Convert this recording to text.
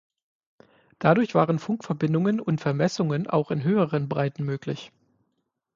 Dadurch waren Funkverbindungen und Vermessungen auch in höheren Breiten möglich.